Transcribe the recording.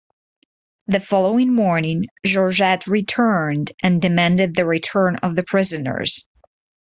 The following morning, "Georgette" returned and demanded the return of the prisoners.